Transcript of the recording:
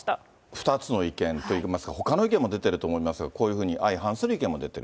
２つの意見といいますか、ほかの意見も出ていると思いますが、こういうふうに相反する意見も出ている。